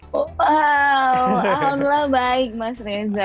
wow alhamdulillah baik mas reza